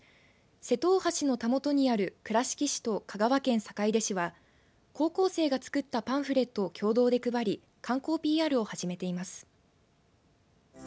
瀬戸大橋のたもとにある倉敷市と香川県坂出市は高校生が作ったパンフレットを共同で配り観光ＰＲを始めています。